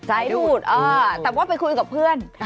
แต่ก็ไปคุยกับเพื่อน